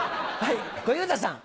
小遊三さん。